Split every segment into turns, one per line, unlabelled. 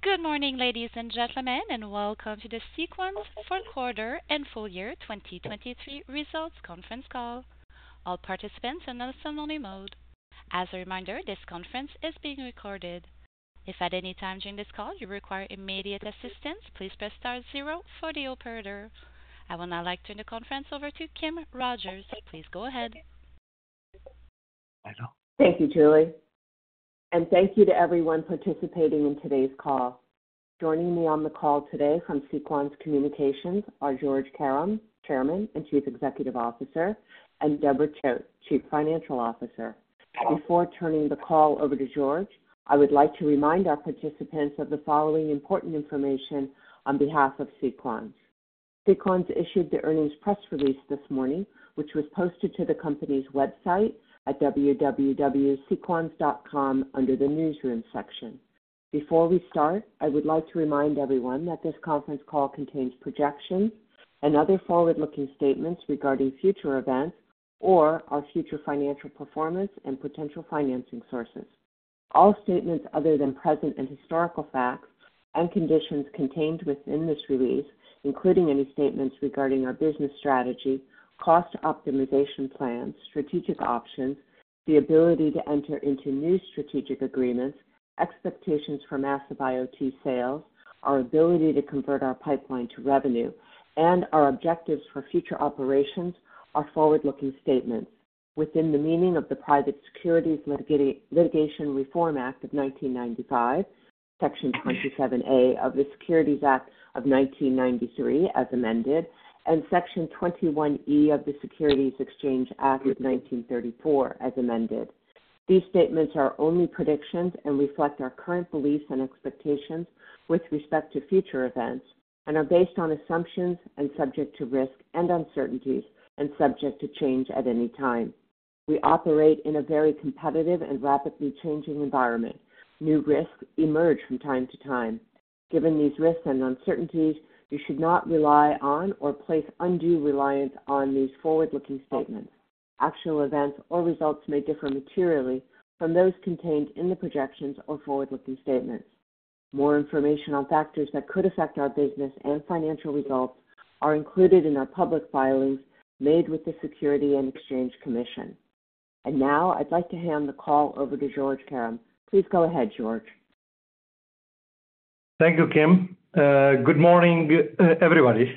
Good morning, ladies and gentlemen, and welcome to the Sequans Fourth Quarter and Full Year 2023 Results Conference Call. All participants are in listen-only mode. As a reminder, this conference is being recorded. If at any time during this call you require immediate assistance, please press star 0 for the operator. I would now like to turn the conference over to Kim Rogers. Please go ahead.
Hello.
Thank you, Thilo. Thank you to everyone participating in today's call. Joining me on the call today from Sequans Communications are Georges Karam, Chairman and Chief Executive Officer, and Deborah Choate, Chief Financial Officer. Before turning the call over to Georges, I would like to remind our participants of the following important information on behalf of Sequans. Sequans issued the earnings press release this morning, which was posted to the company's website at www.sequans.com under the newsroom section. Before we start, I would like to remind everyone that this conference call contains projections and other forward-looking statements regarding future events or our future financial performance and potential financing sources. All statements other than present and historical facts and conditions contained within this release, including any statements regarding our business strategy, cost optimization plans, strategic options, the ability to enter into new strategic agreements, expectations for Massive IoT sales, our ability to convert our pipeline to revenue, and our objectives for future operations, are forward-looking statements within the meaning of the Private Securities Litigation Reform Act of 1995, Section 27A of the Securities Act of 1993 as amended, and Section 21E of the Securities Exchange Act of 1934 as amended. These statements are only predictions and reflect our current beliefs and expectations with respect to future events and are based on assumptions and subject to risk and uncertainties and subject to change at any time. We operate in a very competitive and rapidly changing environment. New risks emerge from time to time. Given these risks and uncertainties, you should not rely on or place undue reliance on these forward-looking statements. Actual events or results may differ materially from those contained in the projections or forward-looking statements. More information on factors that could affect our business and financial results are included in our public filings made with the Securities and Exchange Commission. Now I'd like to hand the call over to Georges Karam. Please go ahead, Georges.
Thank you, Kim. Good morning, everybody.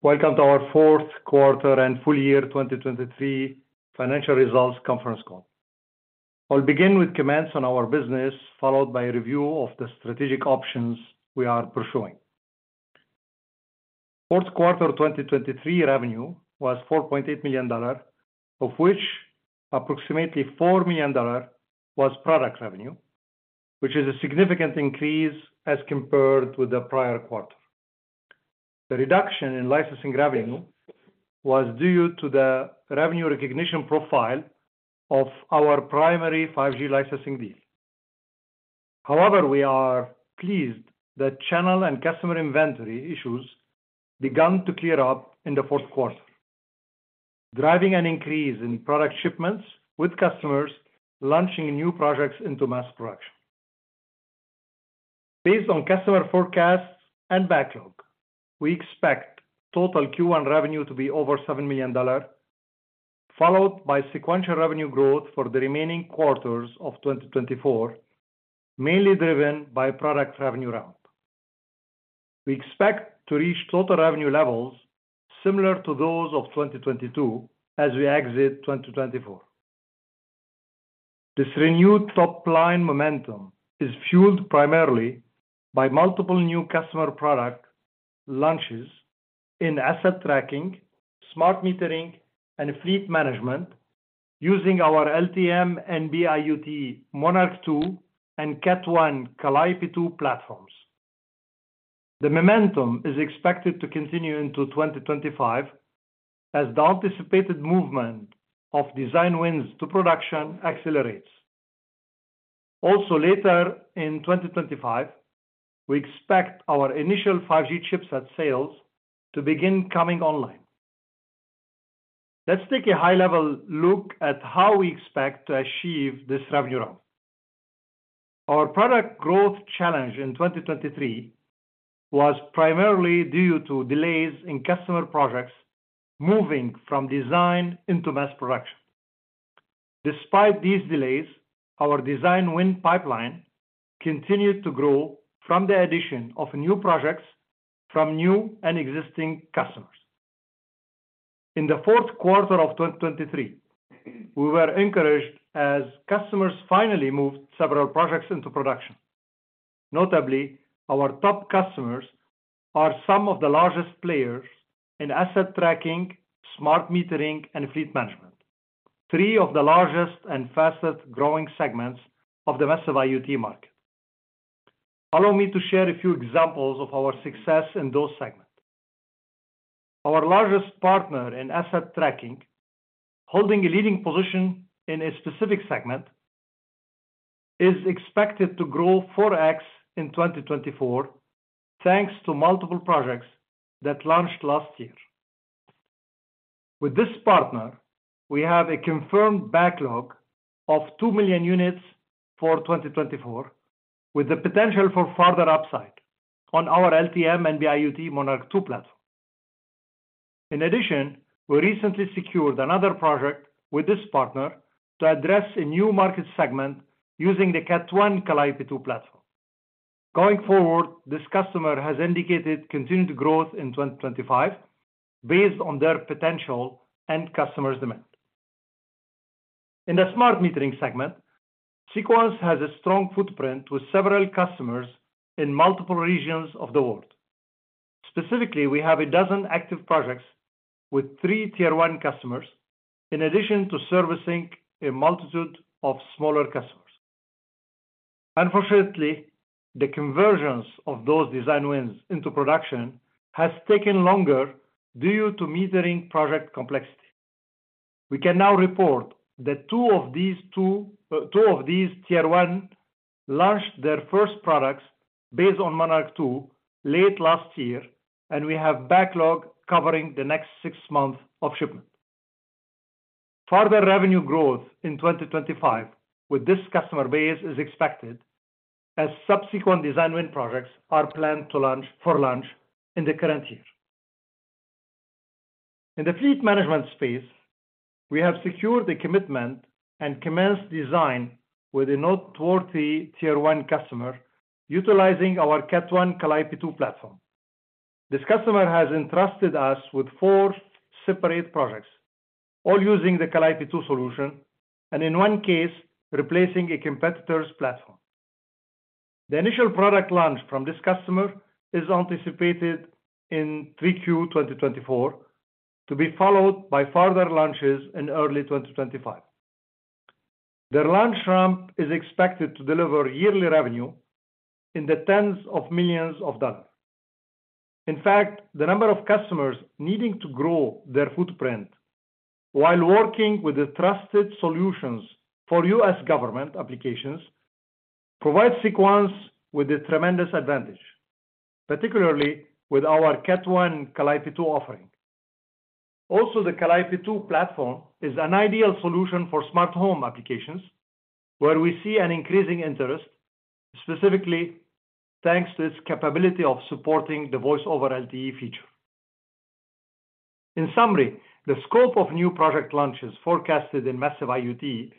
Welcome to our Fourth Quarter and full year 2023 Financial Results Conference call. I'll begin with comments on our business, followed by a review of the strategic options we are pursuing. Fourth Quarter 2023 revenue was $4.8 million, of which approximately $4 million was product revenue, which is a significant increase as compared with the prior quarter. The reduction in licensing revenue was due to the revenue recognition profile of our primary 5G licensing deal. However, we are pleased that channel and customer inventory issues began to clear up in the fourth quarter, driving an increase in product shipments with customers launching new projects into mass production. Based on customer forecasts and backlog, we expect total Q1 revenue to be over $7 million, followed by sequential revenue growth for the remaining quarters of 2024, mainly driven by product revenue ramp. We expect to reach total revenue levels similar to those of 2022 as we exit 2024. This renewed top-line momentum is fueled primarily by multiple new customer product launches in asset tracking, smart metering, and fleet management using our LTM NB-IoT Monarch 2 and Cat 1 Calliope 2 platforms. The momentum is expected to continue into 2025 as the anticipated movement of design wins to production accelerates. Also, later in 2025, we expect our initial 5G chips at sales to begin coming online. Let's take a high-level look at how we expect to achieve this revenue ramp. Our product growth challenge in 2023 was primarily due to delays in customer projects moving from design into mass production. Despite these delays, our design win pipeline continued to grow from the addition of new projects from new and existing customers. In the fourth quarter of 2023, we were encouraged as customers finally moved several projects into production. Notably, our top customers are some of the largest players in asset tracking, smart metering, and fleet management, three of the largest and fastest-growing segments of the massive IoT market. Allow me to share a few examples of our success in those segments. Our largest partner in asset tracking, holding a leading position in a specific segment, is expected to grow 4x in 2024 thanks to multiple projects that launched last year. With this partner, we have a confirmed backlog of 2 million units for 2024, with the potential for further upside on our LTM NB-IoT Monarch 2 platform. In addition, we recently secured another project with this partner to address a new market segment using the Cat 1 Calliope 2 platform. Going forward, this customer has indicated continued growth in 2025 based on their potential and customers' demand. In the smart metering segment, Sequans has a strong footprint with several customers in multiple regions of the world. Specifically, we have a dozen active projects with three Tier 1 customers, in addition to servicing a multitude of smaller customers. Unfortunately, the conversions of those design wins into production have taken longer due to metering project complexity. We can now report that two of these Tier 1 launched their first products based on Monarch 2 late last year, and we have backlog covering the next 6 months of shipment. Further revenue growth in 2025 with this customer base is expected as subsequent design win projects are planned for launch in the current year. In the fleet management space, we have secured a commitment and commenced design with a noteworthy Tier 1 customer utilizing our Cat 1 Calliope 2 platform. This customer has entrusted us with four separate projects, all using the Calliope 2 solution and, in one case, replacing a competitor's platform. The initial product launch from this customer is anticipated in 3Q 2024, to be followed by further launches in early 2025. Their launch ramp is expected to deliver yearly revenue in the tens of $ millions. In fact, the number of customers needing to grow their footprint while working with the trusted solutions for U.S. government applications provides Sequans with a tremendous advantage, particularly with our Cat 1 Calliope 2 offering. Also, the Calliope 2 platform is an ideal solution for smart home applications, where we see an increasing interest, specifically thanks to its capability of supporting the voice-over LTE feature. In summary, the scope of new project launches forecasted in massive IoT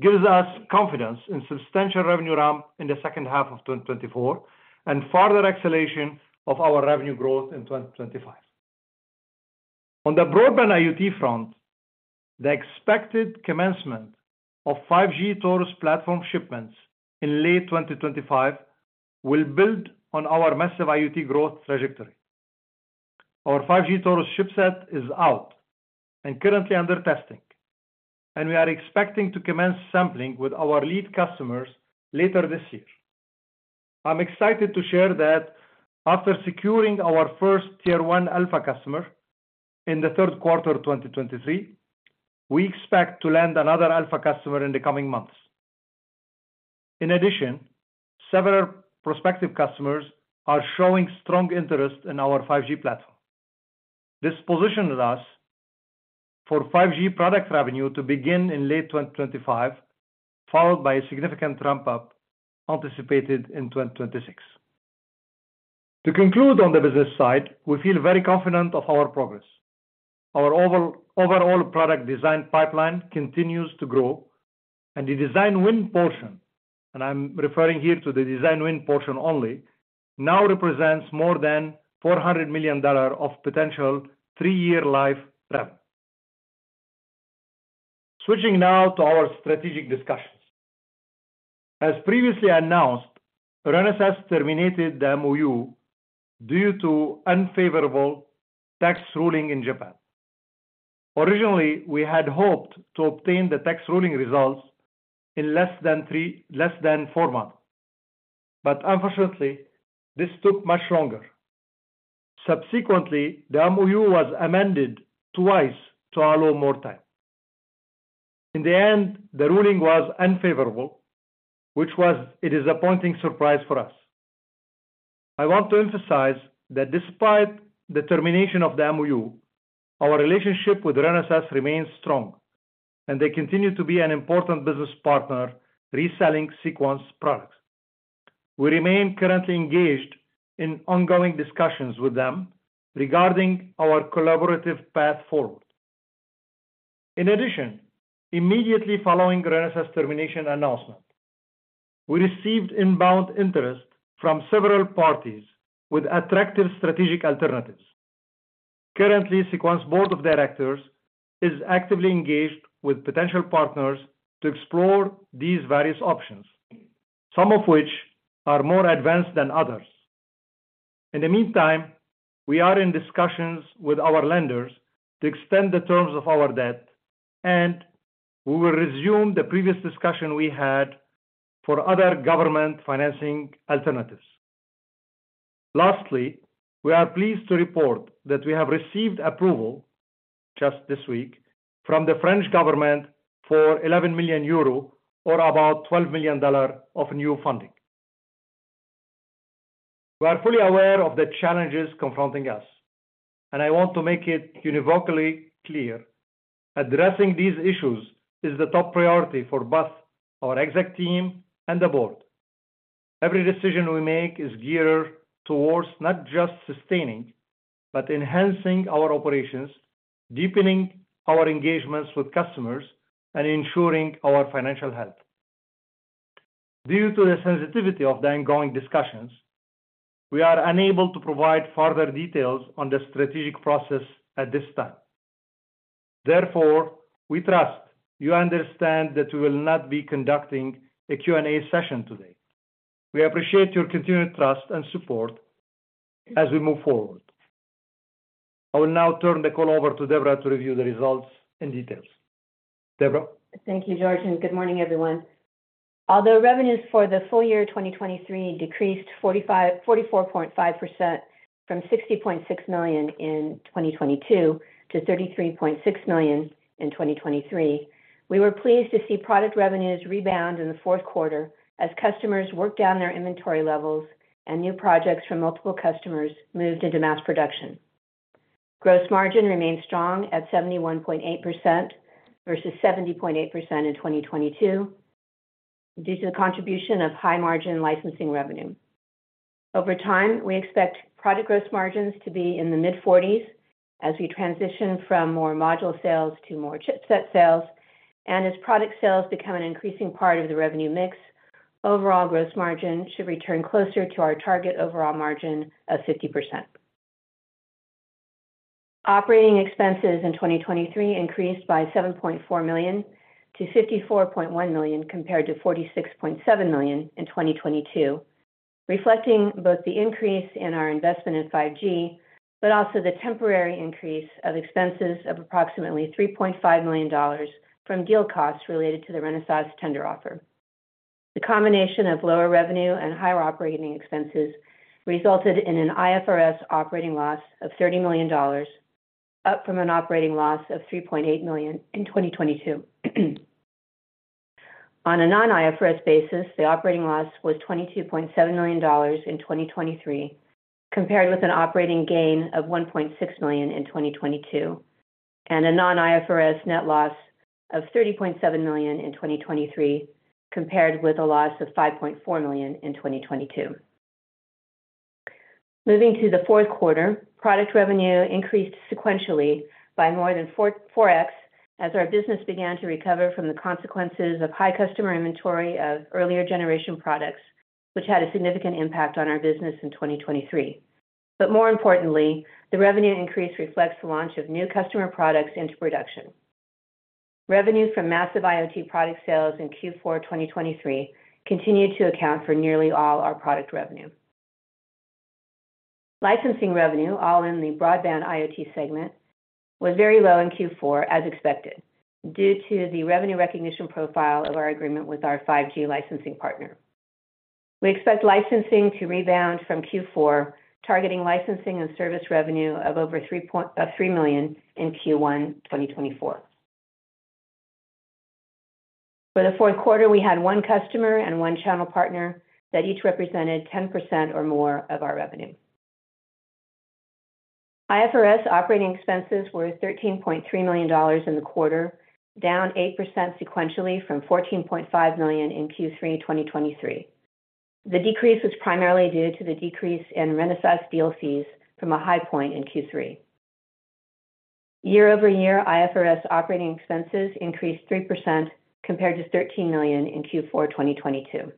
gives us confidence in a substantial revenue ramp in the second half of 2024 and further acceleration of our revenue growth in 2025. On the broadband IoT front, the expected commencement of 5G Taurus platform shipments in late 2025 will build on our massive IoT growth trajectory. Our 5G Taurus chipset is out and currently under testing, and we are expecting to commence sampling with our lead customers later this year. I'm excited to share that after securing our first Tier 1 Alpha customer in the third quarter of 2023, we expect to land another Alpha customer in the coming months. In addition, several prospective customers are showing strong interest in our 5G platform. This positioned us for 5G product revenue to begin in late 2025, followed by a significant ramp-up anticipated in 2026. To conclude on the business side, we feel very confident of our progress. Our overall product design pipeline continues to grow, and the design win portion, and I'm referring here to the design win portion only, now represents more than $400 million of potential three-year-life revenue. Switching now to our strategic discussions. As previously announced, Renesas terminated the MOU due to unfavorable tax ruling in Japan. Originally, we had hoped to obtain the tax ruling results in less than four months, but unfortunately, this took much longer. Subsequently, the MOU was amended twice to allow more time. In the end, the ruling was unfavorable, which was a disappointing surprise for us. I want to emphasize that despite the termination of the MOU, our relationship with Renesas remains strong, and they continue to be an important business partner reselling Sequans products. We remain currently engaged in ongoing discussions with them regarding our collaborative path forward. In addition, immediately following Renesas' termination announcement, we received inbound interest from several parties with attractive strategic alternatives. Currently, Sequans' board of directors is actively engaged with potential partners to explore these various options, some of which are more advanced than others. In the meantime, we are in discussions with our lenders to extend the terms of our debt, and we will resume the previous discussion we had for other government financing alternatives. Lastly, we are pleased to report that we have received approval just this week from the French government for 11 million euro or about $12 million of new funding. We are fully aware of the challenges confronting us, and I want to make it unequivocally clear: addressing these issues is the top priority for both our exec team and the board. Every decision we make is geared towards not just sustaining but enhancing our operations, deepening our engagements with customers, and ensuring our financial health. Due to the sensitivity of the ongoing discussions, we are unable to provide further details on the strategic process at this time. Therefore, we trust you understand that we will not be conducting a Q&A session today. We appreciate your continued trust and support as we move forward. I will now turn the call over to Deborah to review the results in details. Deborah?
Thank you, Georges, and good morning, everyone. Although revenues for the full year 2023 decreased 44.5% from $60.6 million in 2022 to $33.6 million in 2023, we were pleased to see product revenues rebound in the fourth quarter as customers worked down their inventory levels and new projects from multiple customers moved into mass production. Gross margin remained strong at 71.8% versus 70.8% in 2022 due to the contribution of high-margin licensing revenue. Over time, we expect product gross margins to be in the mid-40s as we transition from more module sales to more chipset sales, and as product sales become an increasing part of the revenue mix, overall gross margin should return closer to our target overall margin of 50%. Operating expenses in 2023 increased by $7.4 million to $54.1 million compared to $46.7 million in 2022, reflecting both the increase in our investment in 5G but also the temporary increase of expenses of approximately $3.5 million from deal costs related to the Renesas tender offer. The combination of lower revenue and higher operating expenses resulted in an IFRS operating loss of $30 million, up from an operating loss of $3.8 million in 2022. On a non-IFRS basis, the operating loss was $22.7 million in 2023 compared with an operating gain of $1.6 million in 2022, and a non-IFRS net loss of $30.7 million in 2023 compared with a loss of $5.4 million in 2022. Moving to the fourth quarter, product revenue increased sequentially by more than 4x as our business began to recover from the consequences of high customer inventory of earlier generation products, which had a significant impact on our business in 2023. More importantly, the revenue increase reflects the launch of new customer products into production. Revenue from massive IoT product sales in Q4 2023 continued to account for nearly all our product revenue. Licensing revenue, all in the broadband IoT segment, was very low in Q4 as expected due to the revenue recognition profile of our agreement with our 5G licensing partner. We expect licensing to rebound from Q4, targeting licensing and service revenue of over $3 million in Q1 2024. For the fourth quarter, we had one customer and one channel partner that each represented 10% or more of our revenue. IFRS operating expenses were $13.3 million in the quarter, down 8% sequentially from $14.5 million in Q3 2023. The decrease was primarily due to the decrease in Renesas deal fees from a high point in Q3. Year-over-year, IFRS operating expenses increased 3% compared to $13 million in Q4 2022.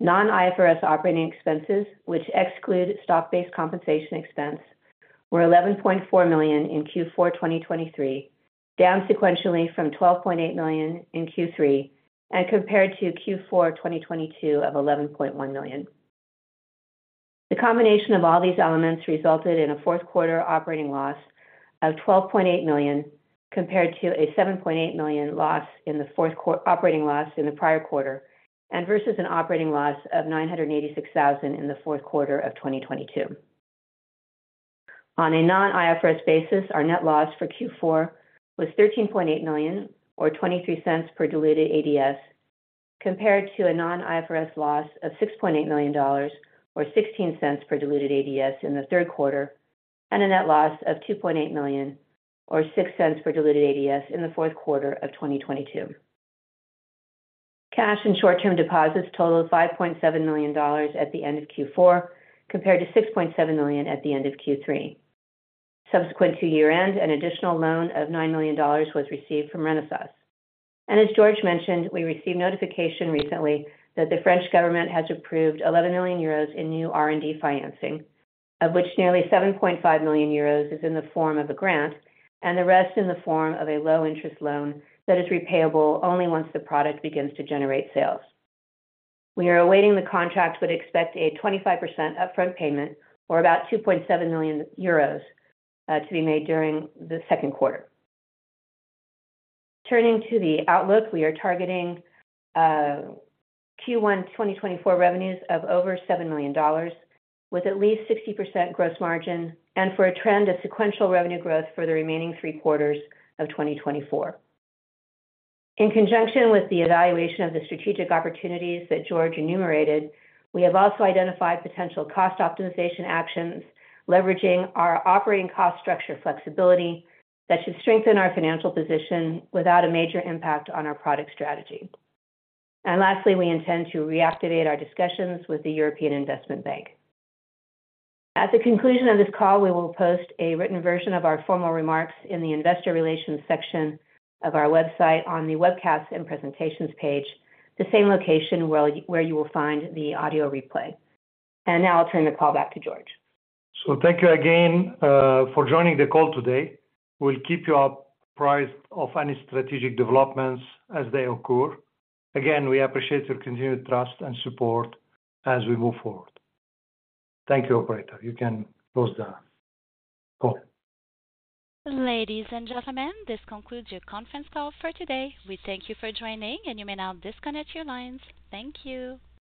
Non-IFRS operating expenses, which exclude stock-based compensation expense, were $11.4 million in Q4 2023, down sequentially from $12.8 million in Q3 and compared to Q4 2022 of $11.1 million. The combination of all these elements resulted in a fourth quarter operating loss of $12.8 million compared to a $7.8 million operating loss in the prior quarter versus an operating loss of $986,000 in the fourth quarter of 2022. On a non-IFRS basis, our net loss for Q4 was $13.8 million or $0.23 per diluted ADS compared to a non-IFRS loss of $6.8 million or $0.16 per diluted ADS in the third quarter and a net loss of $2.8 million or $0.06 per diluted ADS in the fourth quarter of 2022. Cash and short-term deposits totaled $5.7 million at the end of Q4 compared to $6.7 million at the end of Q3. Subsequent to year-end, an additional loan of $9 million was received from Renesas. As Georges mentioned, we received notification recently that the French government has approved €11 million in new R&D financing, of which nearly €7.5 million is in the form of a grant and the rest in the form of a low-interest loan that is repayable only once the product begins to generate sales. We are awaiting the contract would expect a 25% upfront payment or about 2.7 million euros to be made during the second quarter. Turning to the outlook, we are targeting Q1 2024 revenues of over $7 million with at least 60% gross margin and for a trend of sequential revenue growth for the remaining three quarters of 2024. In conjunction with the evaluation of the strategic opportunities that Georges enumerated, we have also identified potential cost optimization actions leveraging our operating cost structure flexibility that should strengthen our financial position without a major impact on our product strategy. Lastly, we intend to reactivate our discussions with the European Investment Bank. At the conclusion of this call, we will post a written version of our formal remarks in the investor relations section of our website on the webcasts and presentations page, the same location where you will find the audio replay. Now I'll turn the call back to Georges.
Thank you again for joining the call today. We'll keep you apprised of any strategic developments as they occur. Again, we appreciate your continued trust and support as we move forward. Thank you, operator. You can close the call.
Ladies and gentlemen, this concludes your conference call for today. We thank you for joining, and you may now disconnect your lines. Thank you.